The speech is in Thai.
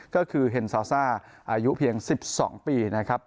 ก็คือเฮนซาซ่าอายุเพียง๑๒ปีนะครับ